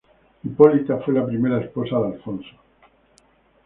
Hipólita fue la primera esposa de Alfonso.